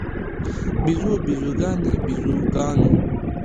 بیزو، بیزوګانې، بیزوګانو